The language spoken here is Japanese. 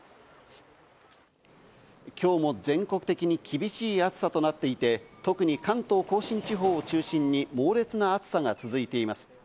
今日も全国的に厳しい暑さとなっていて、特に関東甲信地方を中心に猛烈な暑さが続いています。